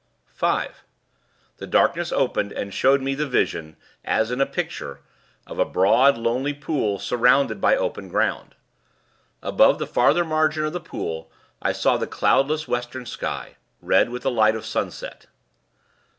"5. The darkness opened, and showed me the vision as in a picture of a broad, lonely pool, surrounded by open ground. Above the farther margin of the pool I saw the cloudless western sky, red with the light of sunset.